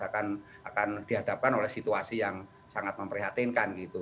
akan dihadapkan oleh situasi yang sangat memprihatinkan gitu